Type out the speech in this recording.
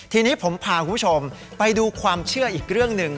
ทีนี้ผมพาคุณผู้ชมไปดูความเชื่ออีกเรื่องหนึ่ง